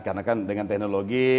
karena kan dengan teknologi